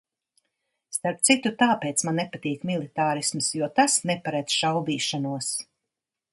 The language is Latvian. Starp citu, tāpēc man nepatīk militārisms, jo tas neparedz šaubīšanos.